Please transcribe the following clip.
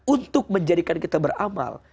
untuk menjadikan kita beramal